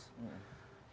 dan kami bisa merasakan